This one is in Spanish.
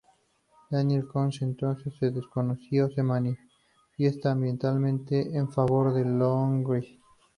Daniel Cohn-Bendit, entonces un desconocido, se manifiesta abiertamente en favor de Langlois.